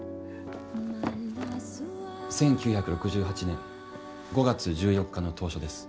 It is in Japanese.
１９６８年５月１４日の投書です。